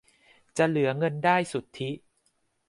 จะเหลือเงินได้สุทธิ